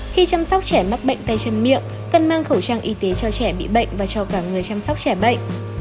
khi chăm sóc trẻ mắc bệnh tay chân miệng cần mang khẩu trang y tế cho trẻ bị bệnh và cho cả người chăm sóc trẻ bệnh